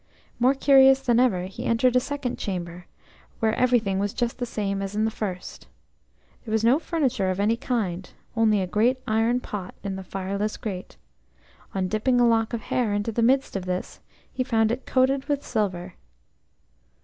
More curious than ever, he entered a second chamber, where everything was just the same as in the first. There was no furniture of any kind–only a great iron pot in the fireless grate. On dipping a lock of hair into the midst of this, he found it coated with silver.